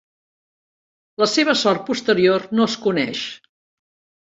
La seva sort posterior no es coneix.